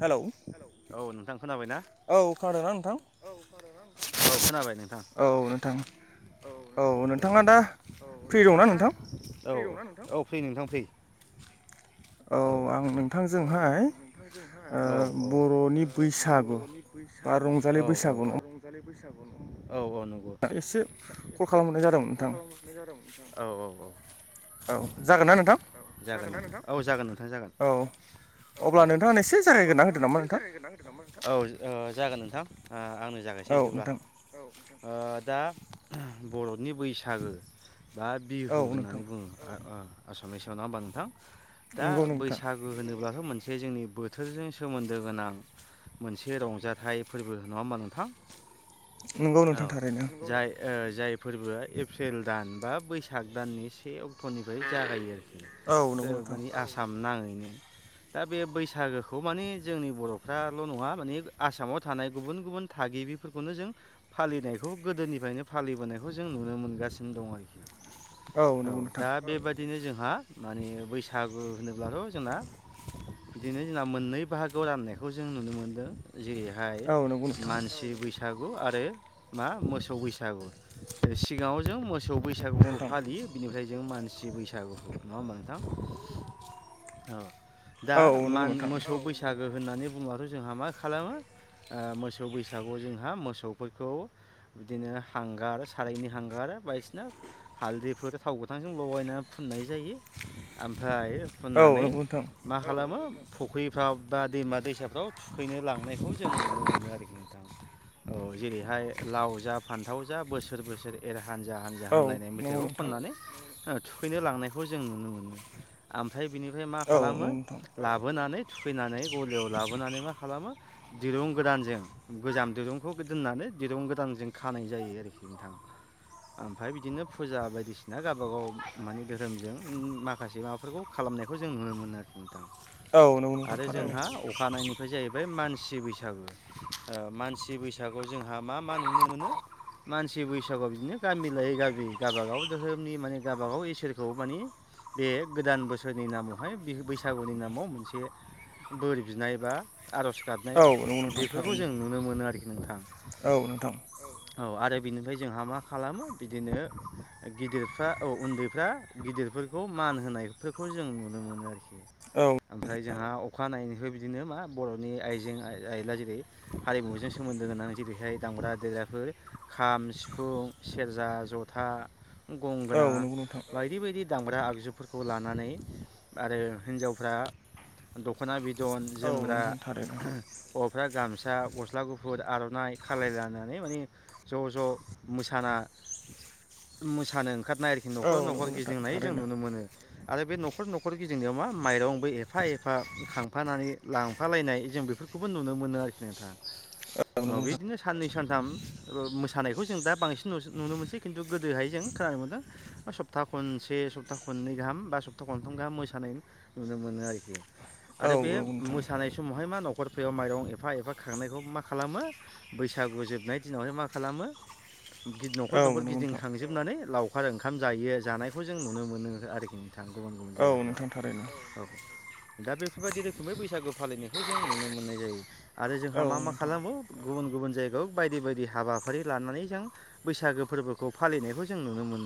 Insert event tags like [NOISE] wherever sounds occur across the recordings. Hello! औ खोनाबायना औ खोनादों ना नोंथां? औ खोनादोंना नोंथां? औ खोनाबाय नोंथां। औ नोंथां औ नोंथाङा दा फ्रि दंना नोंथां? औ औ फ्रि नोंथां फ्रि। औ आं नोंथांजोंहाय ओ। बर'नि बैसागु बा रंजालि बैसागु बा नङा। [UNINTELLIGIBLE] औ औ नंगौ। एसे कल एसे खालामहरनाय जादोंमोन फन नोंथां खालामहरनाय जादों नोंथां। औ औ औ। औ जागोन ना नोंथां? जागोन नोंथां औ जागोन नोंथां जागोन। औ अब्ला नोंथांङा एसे जायग्रोना होदो नामा? औ ओ नोंथां? जागोन नोंथां। ओ आंनो जागायसै औ बिदिब्ला नोंथां दा बर' नि बैसागो बा औ बिहु नोंथां होननानै बुङो आ ओ आसामिसआव नङा होमबा नोंथां? दा नंगौ नोंथां बैसागु होनोब्लाथ' मोनसे जोंनि बोथोरजों सोमोन दो गोनां मोनसे रंजाथाइ फोरबो नङा होमबा नोंथां? नंगौ औ नोंथां थारैनो जाय ओ जाय फोरबोआ एप्रिल दान बा बैसाग दाननि से अक ट'निफ्राय जागायो आरोखि औ ओ नंगौ नोंथां माने आसाम नाङैनो। दा बे बैसागोखौ माने जोंनि बर'फ्राल' नङा माने आसामाव थानाय गुबुन गुबुन थागिबिफोरखौनो जों फालिनायखौ गोदोनिफ्रायनो फालिबोनायखौ जों नुनो मोनगासिनो दं आरोखि। औ नंगौ नोंथां दा बेबायदि बिदिनो जोंहा माने बैसागु होनोब्लाथ' जोंना बिदिनो जोङा मोननै बाहागो ग राननायखौ जों नुनो मोनदो जेरैहाय औ नंगौ नोंथां मानसि बैसागु आरो मा मोसौ बैसागु सिगाङाव जों मोसौ सौ बैसागुखौ नोंथां फालियो बिनिफ्राय जों मानस सि बैसागुखौ नङा होमबा नोंथां औ। औ दा नंगौ मान नोंथां मोसौ बैसागो होननानै बुङबाथ' जोंहा मा खालामो ओ मोसौ बैसागुआव जोंहा मोसौफोरखौ बिदिनो हांगार सारायनि हांगार बायदिसिना हालदैफोर थाव गोथांजों लगायनानै फुननाय जायो आमफ्र फाय औ फुननानै नंगौ नोंथां मा खालामो फुख्रिफ्राव बा दैमा दैसाफ्राव थुखैनो लांनायखौ जों नुनो मोनो आरोखि नोंथां। औ जेरैहाय लाव जा फान्थाव जा बोसोर बोसोर एर हानजा-हानजा होनलायनाय औ नंगौ मेथाइखौ नोंथां खननानै ओ थुखैनो लांनायखौ जों नुनो मोनो। आमफ फायय बिनिफ्राय मा औ खालामो नंगौ नोंथां लाबोनानै थुखैनानै गलियाव लाबोनानै मा खालामो दिरुं गोदानजों गोजाम दिरुंखौ दोननानै दिरुं गोदानजों खानाय जायो आरोखि नोंथां। ओमफाय बिदिनो फुजा बायदिसिना गावबागाव माने धोरोमजों माखासे माबाफोरखौ खालाम नायखौ जों नुनो मोनो आरोखि नोंथां। औ नंगौ नोंथां आरो थारैनो जोंहा अखानायनिफ्राय जाहैबाय मानस सि बैसागो ओ मानसि बैसागुआव जोंहा मा मा नुनो मोनो। मानसि बैसागु बिदिनो गामि लायै गामि गावाबागाव धोरोमनि माने गावाबागाव इसोरखौ मानि बे गोदान बोसोरनि नामावहाय बि बैसागुनि नामाव मोनसे बोर बिनाय बा आर'ज गाबनाय औ नंगौ नोंथां बेफोरखौ थारैनो जों नुनो मोनो आरोखि नोंथां। औ नोंथां औ आरो बिनिफ्राय जोंहा मा खालामो बिदिनो गिदिरफ्रा औ उन्दैफ्रा गिदिरफोरखौ मान मान होनायफोरखौ जों नुनो मोनो आरोखि औ ओमफ्राय जोंहा अखानायैनिफ्राय बिदिनो मा बर'नि आइजें-आइला जेरै हारिमुजों सोमोन्दो गोनां जे रैहाय दामग्रा-देग्राफोर खाम, सिफुं, सेरजा, जथा औ गंगोना नंगौ नोंथां बायदि बायदि दामग्रा आगजुफोरखौ लानानै आरो हिनजावफ्रा दख'ना बिदन औ जोग्रा नोंथां थारैनो [UNINTELLIGIBLE] हौवाफ्रा गामसा, गस्ला गुफुर, आर'नाइ खालायलालनानै माने ज' ज' मोसाना ना मोसानो ओंखारनाय आरोखि न'खर औ न'खर नंगौ नोंथां गिदिंनाय जों थारैनो नुनो मोनो आरो बे न'खर न'खर गिदिंनायाव मा माइरंबो ए एफा एफा खांफानानै लांफालायनाय जों बेफोरखौबो नुनो मोनो आरोखि नोंथां। औ अ नंगौ बिदिनो साननै सानथाम ओ मोसानायखौ जों दा बांसिन नुस नुनो मोनसै खिन्थु गोदोहाय जों खोनानो मोनदों सप्ता खनसे सप्ता खननै गाहाम बा सप्ता खनथाम गाहाम मोसानाय नुनो मोनो आरोखि। खि नोंथां औ आरो बे नंगौ नोंथां मोसानाय समावहाय मा न'खर फायाव माइरं एफा एफा खांनायखौ मा खालामो। बैसागु जोबनाय दिनावहाय मा खालामो। गिद नखर औ न'खर नंगौ नोंथां गिदिंखांजोबनानै लावखार ओंखाम जायो जानायखौ जों नुनो मोनो आरोखि नोंथ गुबुन गुबुन औ जायगाफोराव नोंथां थारैनो औ औ। दा बेफोरबायदि रोखोमै बैसागु फालिनायखौ जों नुनो मोननाय जायो आरो जोंहा औ मा मा नोंथां खालामो। गुबुन गुबुन जायगायाव बायदि बायदि हाबाफारि लानानै जों बैसागो फोरबोखौ फालिनायखौ जों नुनो मोन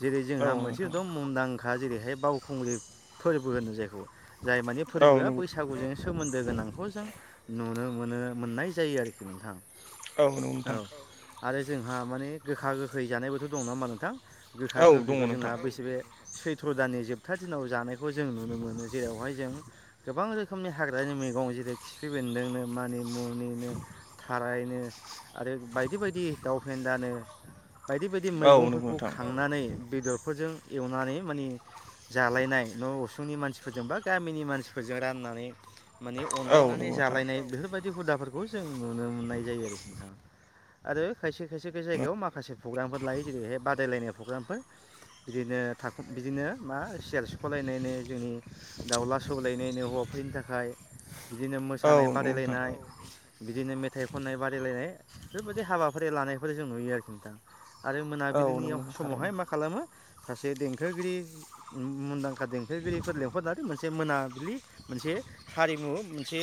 जेरै औ जोंहा मोनसे नोंथां दं मुंदांखा जेरैहाय बावखुंग्रि फोरबो होनो जायखौ। जाय मानि औ फोरबोआ नंगौ बैसागुजों। सोमोन्दो गोनांखौ जों नुनो मोनो मोननाय जायो आरोखि नोंथां। नंगौ औ नोंथां आरो जोंहा माने गोखा गोखै जानायबोथ' दं ना होमबा नोंथां गोखा। औ गोखैखौ दङ जोंना नोंथां बैसो बे सैथ्र' दाननि जोबथा दिनाव जानायखौ जों नुनो मोनो। जेरावहाय जों गोबां रोखोमनि हाग्रानि मैगं जेरै खिफि बेन्दोंनो मानि मुनिनो थारायनो आरो बायदि बायदि दाव फेनदानो बायदि बायदि औ नंगौ मैगंफोरखौ नोंथां खांनानै बेदरफोरजों एवनानै माने जालायनाय न' उसुंनि मानसि फोरजोंबा गामिनि मानसिफोर राननानै माने औ अनलायनानै नंगौ नोंथां जालायनाय बेफोर बादि हुदाफोरखौ जों नुनो मोननाय जायो आरोखि नोंथां आरो खायसे खायसे खायसे जायगायाव माखासे प्रग्रामफोर लायो जेरैहाय बादायलायनाय प्रग्रामफोर बिदिनो थाख बिदिनो मा सियार सिख'लायनो जोंनि दाउला सौलायनायनो हौवाफोरनि थाखाय बिदिनो औ मोसानाय नंगौ नोंथां बादायलायनाय बिदिनो मेथाइ खननाय बादायलायनाय बेफोरबायदि हाबाफोर लानायफोर जों नुयो आरोखि नोंथां आरो औ मोनाबिलिनि नंगौ नोंथां समावहाय थारैनो मा खालामो सासे देंखोगिरि मुंदांखा देंखो खोगिरिफोर लेंहरनानै मोनसे मोनाबिलि मोनसे हारिमु मोनसे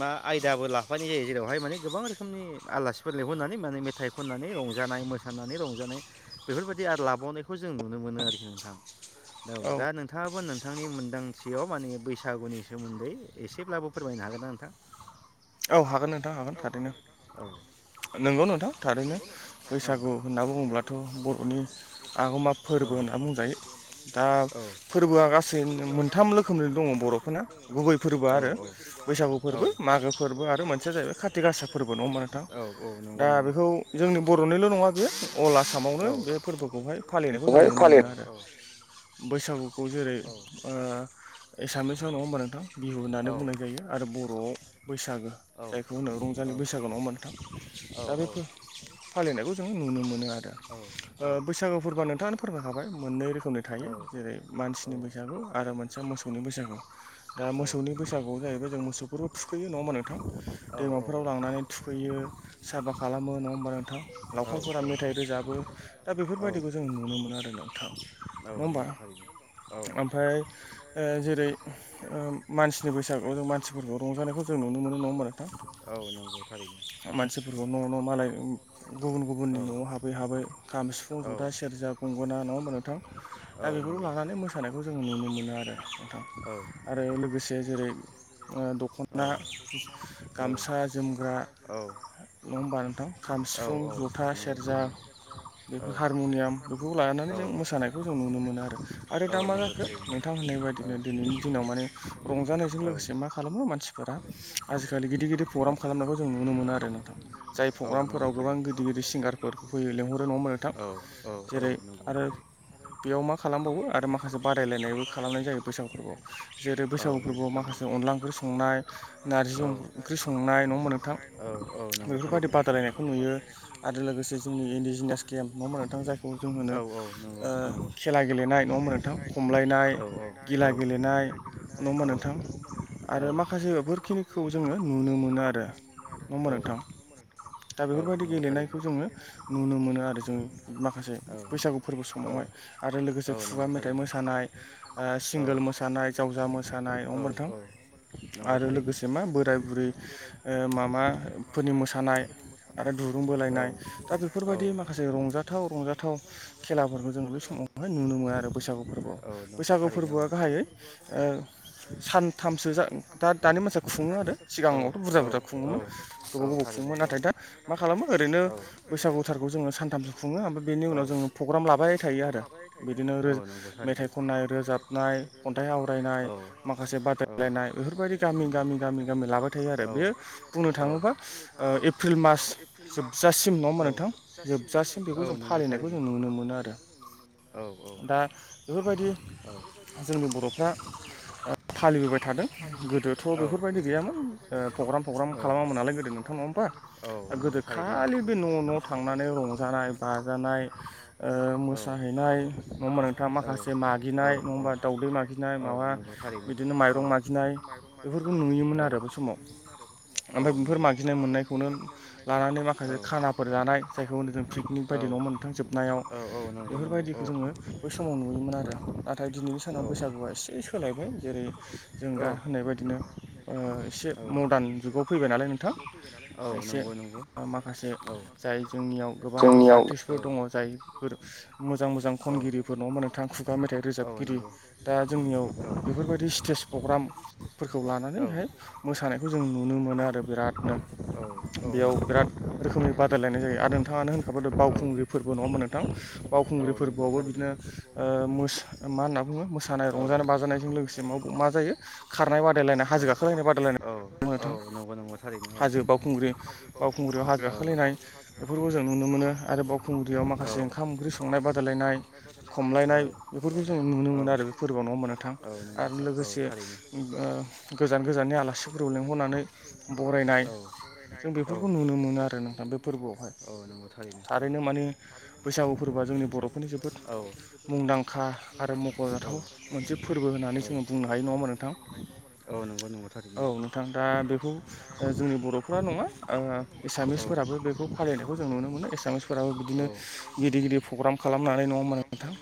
मा आयदाबो लाफानाय जायो जेरावहाय माने गोबां रोखोमनि आलासिफोर लेंंहरनानै माने मेथाइ खननानै रं रंजानाय मोसानानै रंजानाय बेफोरबायदि आरो लाबावनायखौ जों नुनो मोनो आरोखि नोंथां औ दा नोंथाङाबो नों नोंथांनि मोनदांथियाव माने बैसागुनि सोमोन्दै एसेब्लाबो फोरमायनो हागोन ना नोंथां औ हागोन नोंथां हागोन थारैनो नंगौ नोंथां थारैनो बैसागु होनना बुङोब्लाथ' बर'नि आगोमा फोरबो होनना बुंजायो दा फोरबोआ गासै मोनथाम रोखोमनि दङ बर'फोरना गुबै फोरबो आरो बैसागु फोरबो आरो मागो फोरबो आरो मोनसेया जाहैबाय खााथि गासा फोरबो नङा होमबा नोंथां नङा दा होमबा नोंथां बेखौ जोंनि बर'निल' नङा बेयो अल आसामावनो बे फोरबोखौहाय फालिनायखौ जों नुनो मोनो फालिनायखौ आरो बैसागुखौ जेरै एसामिसाव नङा हिन्दी होननानै बुंनाय जायो आरो बर'आव बैसागु बर' होननानै रंजालि बैसागु होननानै जों फालिनायखौ जों नुनो मोनो आरो ओ बैसागु फोरबो नोंथाङानो फोरमायखाबाय मोनब्रै रोखोमनि थायो जेरै मानसिनि बैसागु होमबा नोंथां बिहु होननानै बुंनाय जायो आरो बर'आव बैसागो जायखौ होनो रंजालि बैसागो नङा होनबा नोंथां दा बेफोर फालिनायखौ जों नुनो मोनो आरो ओ बैसागु फोरबोआ नोंथाङानो फोरमायखाबाय मोननै रोखोमनि थायो जेरै मानसिनि बैसागु आरो मोनसे मोसौ मोसौनि बैसागु दा ओ मोसनि बैसागुआव जाहैबाय जों मोसौफोरबो थुखैयो नङा होनबा नोंथां नङा होमबा दैमाफोराव नोंथां लांनानै थुखैयो साफा खालामो नङा होमबा नोंथां लावखारफोरा मेथाइ रोजाबो दा बेफोरबायदिखौ जों नुनो मोनो आरो नोंथां औ होमबा नंगौ थारैनो ओमफ्राय ओ जेरै मानसिनि बैसागुआव जों मानसिफोरखौ रंजानायखौ जों नुनो मोनो नङा होनबा नोंथां होमबा नोंथां मानसिफोरखौ न' न' मालाय गुबुन गुबुननि न'आव हाबै हाबै खाम सिफुं जथा सेरजा गंगना नङा होनबा नोंथां दा होमबा नोंथां बेफोरखौ लानानै मोसानायखौ जोंङो नुनो मोनो आरो नोंथां आरो लोगोसे जेरै दख'ना ना गामसा जोमग्रा नङा होनबा नोंथां खाम सिफुं जथा सेरजा बेफोर हारमुनियाम बेफोरखौ लानानै जों मोसानायखौ जों नुनो मोनो आरो दा मा जाखो नोंथां होननाय बायदिनो दिनैनि दिनाव मा रंजानायजों लोगोसे मा खालामो मानसि फोरा आजिखालि गिदिर गिदिर प्रग्राम खालामनायखौ जों नुनो मोनो आरो नोंथां जाय खालामनायखौ जों नुनो प्रग्रामफोराव मोनो गोबां गिदिर गिदिर सिंगारफोर फैयो लेंंहरो नङा होनबा नोंथां जेरै आरो बेयाव मा खालामबावो आरो माखासे बादायलायनायबो खालामनाय जायो बैसागु फोरबोआव जेरै बैसागु फोरबोआव माखासे अनला ओंख्रि सं अनला ओंख्रि संनाय नारजि नङा ओंख्रि होमबा नोंथां संनाय औ औ नंगौ थारैनो बेफोरबायदि दे बेफोर बादायलायनायखौ बादि नुयो बादायलायनाय आरो लोगोसे जोंनि इन्डिजिनियास गेम नङा होनबा नोंथां जायखौ जों होनो होमबा नोंथां खेला गेले गेलनाय नङा होमबा नोंथां खमलायनाय गिला गेलेनाय नङा होमबा दा नोंथां आरो बेफोरबायदि माखासे बेफोरखिनिखौ जोङो नुनो मोनो आरो नङा होमबा नोंथां दा बेफोरबायदि गेलेनायखौ जोङो नुनो मोनो आरो जोङो माखासे बैसागु फोरबो समाव आरो लोगोसे दंनाय खुगा मेथाइ मोसानाय ओ सिंगोल मोसानाय जावजा मोसानाय नोंथां [UNINTELLIGIBLE] आरो होमबा नोंथां लोगोसे मा बोराय बुरै ओ माबाफोरनि मोसानाय आरो बु दुरुं बोलायनाय दा बेफोरबायदि माखासे रंजाथाव रंजाथाव खेलाफोरखौ जोङो बे समावहाय नुनो मो मोनो आरो बैसागु फोरबोआव आरो बैसागुफोरबोआ गाहायै ओ सानथामसो जा दा दानि मानसिया खुङो आरो सिगाङावथ' बुरजा बुरजा खुङोमोन गोबाव गोबाव खुङोमोन नाथाय दा मा खालामो ओरैनो बैसागुथारखौ जोङो सानथामसो खुङो ओमफ्राय बेनि उनाव जोङो प्रग्राम लाबाय थायो आरो बिदिनो नो रोजो आरो मेथाइ खननाय रोजाबनाय खन्थाइ आवरायनाय माखासे बादाय बेफोरबायदि गामि गामि गामि गामि लाबाय थायो आरो बेयो बुंनो थाङोबा ओ एप्रिल मास एप्रिल मास जोबजासिम नङा होमबा औ नोंथां जासिम नङाहोनबा जोबजासिम बेखौ नोंथां औ जों नंगौ फालिनायखौ जों नुनो मोनो आरो थारैनो औ दा बेफोरबायदि जोंनि बर'फ्रा ओ फालिबो बोबाय थादों गोदोथ' आरो बेफोरबायदि गैयामोन ओ प्रग्राम प्रग्राम खालामामोन नालाय गोदो नोंथां नङा होमबा ओ गोदो खालि बे न' न' थांनानै रंजानाय बाजानाय ओ ओ मोसाहै नाय नङाहोनबा नोंथाङा माखासे मागिनाय नङाहोनबा माखासे दावदै मागिनाय माबा बिदि माइरं मागि नाय बेफोरखौ नुयोन आरो बे समाव ओमफ्राय बेफोर बे मागिनो मोन्नायखौनो ला लानानै माखासे समाव खानाफोर जानाय जायखौ जों पिकनिक बायदि नङ मोन नोंथां जोबनायाव बेफोरबायदिखौ जों आङो बै समाव नुयोमोन आरो नाथाय दिनैनि सानाव बैसागुआ एसे सोलायबाय जेरै जों दा बेयाव होननाय बायदिनो ओ एसे औ मदार्न जुगाव फैबाय नालाय नोंथां औ एसे नंगौ नंगौ माखासे औ जाय जोंनियाव गोबां जोंनियाव आर्टिस्टफोर औ दङ जायफोर मोजां मोजां औ खनगिरिफोर नङा होनबा नोंथां खुगा मेथाइ औ रोजाबगिरि नंगौ दा जोंनियाव औ बेफोरबायदि स्टेज प्रग्रामफोरखौ औ लानानैहाय मोसानायखौ जों नुनो मोनो आरो बिरादनो बेयाव नुनो मोनो बिराद रोखोमनि बादायलायनाय जायो आरो नोंथाङानो होनखाबाय बावखुंग्रि फोरबो नङा होमबा नोंथां औ नंगौ औ बावखुंग्रि नंगौ फोरबोआवबो थारैनो बिदिनो ओ मा ओ होनना बुङो मोसानाय औ रंजानाय बाजानायजों लोगोसे मावब मा जायो खारनाय बादायलायनाय औ हाजो गाखोलायनाय बादायलाय औ नङाहोनबा नोंथां औ नंगौ नंगौ थारैनो औ हाजो बावखुंग्रि बावखुंग्रियाव हाजो गाखोलायनाय बेफोरखौ जों नुनो मोनो बेफोरखौ आरो बावखुं- खुंग्रियाव माखासे ओंखाम ओंख्रि संनाय बादायलायनाय बेफोरखौ खमलायनाय बेफोरखौ जों नुनो मोनो आरो बे फोरबोआवनो नङा होमबा नोंथां आरो लोगोसे आरो गोजान गोजाननि आलासि लिंहरनानै बरायनाय जों बेफोरखौ नुनो मोनो आरो नोंथां बे फोरबोआवहाय आरो नोंथां बेफोर औ। थारैनो माने बैसागु फोरबोआ जोंनि बर'फोरनि जोबोद मुंदांखा आरो मख'जाथाव मोन मोनसे फोरबो होननानै जोङो मोनसे बुंनो हायो नङा होनबा नोंथां नंगौ नंगौ औ थारैनो नोंथां दा बेखौ ओ जोंनि बर'फोरा नङा आं एसामिसफोराबो बेखौ फालिनायखौ जों नुनो मोनो एसामिसफोराबो बिदिनो गिदिर गिदिर पग्राम खालामनानै नङाहोनबा नोंथां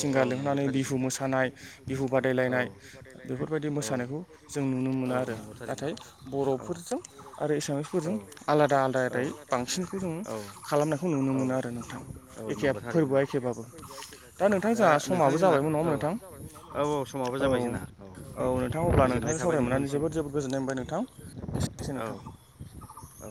सिंगार औ नोंथां औ नंगौ लिंहरनानै थारैनो बिहु मोसानाय बिहु बादायलायनाय बेफोरबायदि मोसानायखौ जों नुनो मोनो आरो नाथाय नाथाय बर'फोरजों आरो एसामिसफोरजों आलादा आलादायै बांसिनखौ जोङो खालामनायखौ नुनो नुनो मोनो आरो नोंथां एखे आरो नोंथां फोरबोआ एखेबाबो दा नोंथां जोंहा समाबो जाबायमोन नङाहोनबा नोंथां औ औ समाबो औ जाबायमोन नङा होमबा औ नोंथां औ अब्ला नोंथांजों सावराय मोननानै जोबोद जोबोद गोजोननाय मोनबाय नोंथां गोजोननाय एसेनोसै मोनबाय नोंथां औ